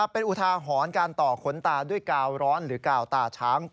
เป็นอุทาหรณ์การต่อขนตาด้วยกาวร้อนหรือกาวตาช้าง